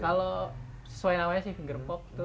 kalau sesuai namanya sih finger pop itu lebih ke pop art